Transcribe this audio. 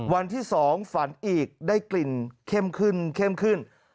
วันที่๒ฝันอีกได้กลิ่นเข้มขึ้น